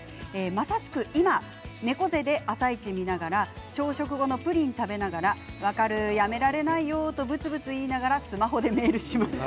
まさしく今猫背で「あさイチ」を見ながら朝食のプリンを食べながら分かる、やめられないよとぶつぶつ言いながらスマホでメールをしました。